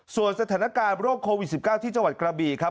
ส่วนสถานการณ์โรคโควิด๑๙ที่จังหวัดกระบีครับ